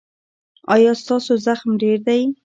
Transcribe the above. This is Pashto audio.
ایا ستاسو زغم ډیر دی؟